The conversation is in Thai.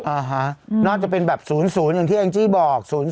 อ่าฮะน่าจะเป็นแบบ๐๐อย่างที่แองจี้บอก